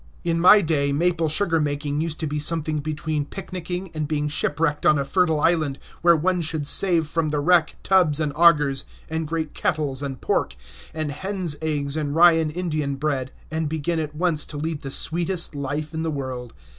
In my day maple sugar making used to be something between picnicking and being shipwrecked on a fertile island, where one should save from the wreck tubs and augers, and great kettles and pork, and hen's eggs and rye and indian bread, and begin at once to lead the sweetest life in the world.